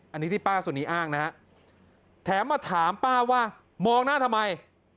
อันนี้ที่ป้าสุนีอ้างนะฮะแถมมาถามป้าว่ามองหน้าทำไม